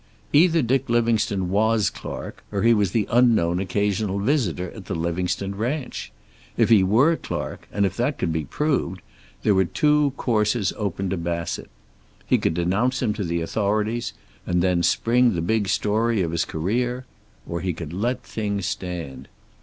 Either Dick Livingstone was Clark, or he was the unknown occasional visitor at the Livingstone Ranch. If he were Clark, and if that could be proved, there were two courses open to Bassett. He could denounce him to the authorities and then spring the big story of his career. Or he could let things stand.